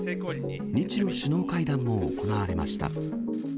日ロ首脳会談も行われました。